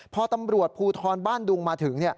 พอตำรวจภูทรบ้านดุงมาถึง